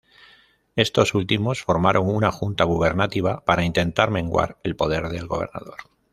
Estos últimos, formaron una "Junta Gubernativa" para intentar menguar el poder del gobernador.